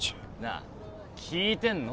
あ聞いてんの？